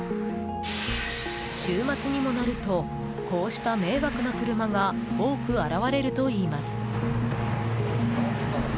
週末にもなるとこうした迷惑な車が多く現れるといいます。